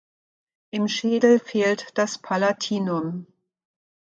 Im Schädel fehlt das Palatinum.